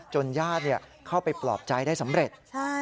จนยาดเนี่ยเข้าไปปลอบใจได้สำเร็จ